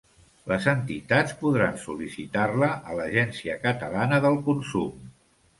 Les entitats podran sol·licitar-la a l'Agència Catalana del Consum.